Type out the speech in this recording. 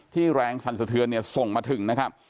แรงสั่นสะเทือนเนี่ยส่งมาถึงนะครับ